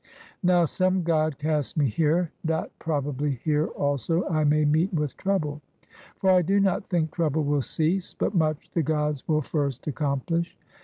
Now some god cast me here, that probably here also I may meet with trouble; for I do not think trouble will cease, but much the gods will first accompHsh.